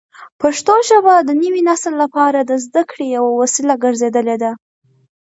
پښتو ژبه د نوي نسل لپاره د زده کړې یوه وسیله ګرځېدلې ده.